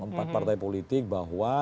empat partai politik bahwa